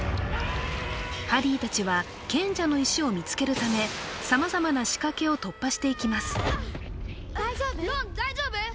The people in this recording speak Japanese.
ハリー達は賢者の石を見つけるため様々な仕掛けを突破していきます大丈夫？